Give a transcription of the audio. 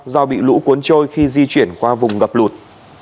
do bị lũ cuốn trôi khi di chuyển qua vùng ngập lụt